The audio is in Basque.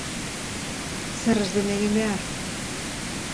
Zer ez den egin behar?